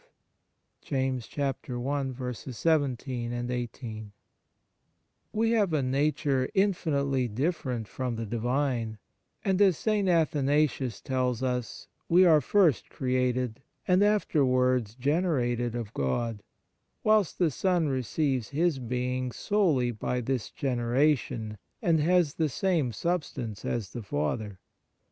hath of His own will be gotten us by the word of truth." 1 We have a nature infinitely different from the Divine; and, as St. Athanasius tells us, we are first created and afterwards generated of God, whilst the Son receives His being solely by this generation and has the same substance as the Father.